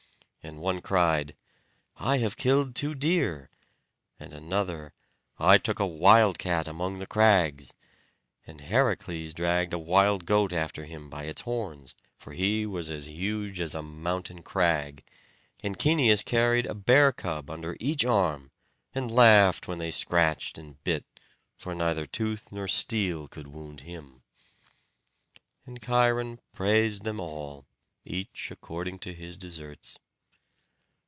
And one cried, "I have killed two deer," and another, "I took a wildcat among the crags"; and Heracles dragged a wild goat after him by its horns, for he was as huge as a mountain crag; and Cæneus carried a bear cub under each arm, and laughed when they scratched and bit; for neither tooth nor steel could wound him. And Cheiron praised them all, each according to his deserts.